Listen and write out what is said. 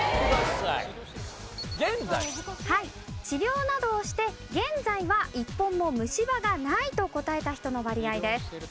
治療などをして現在は１本も虫歯がないと答えた人の割合です。